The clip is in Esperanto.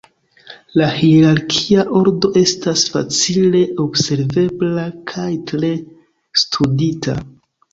La hierarkia ordo estas facile observebla kaj tre studita.